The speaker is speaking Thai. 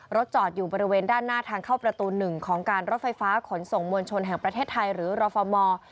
จอดอยู่บริเวณด้านหน้าทางเข้าประตู๑ของการรถไฟฟ้าขนส่งมวลชนแห่งประเทศไทยหรือรฟม